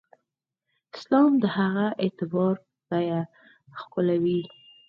اسلام د هغه اعتبار په بیه ښکېلوي.